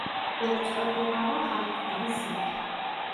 Ur ttruḥeɣ ara ɣer teglisya.